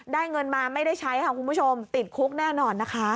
เงินมาไม่ได้ใช้ค่ะคุณผู้ชมติดคุกแน่นอนนะคะ